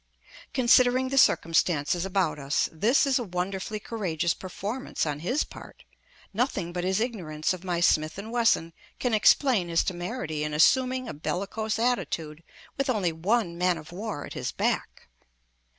Considering the circumstances about us, this is a wonderfully courageous performance on his part; nothing but his ignorance of my Smith & Wesson can explain his temerity in assuming a bellicose attitude with only one man of war at his back.